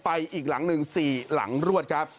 อีกหลังหนึ่ง๔หลังรวดครับ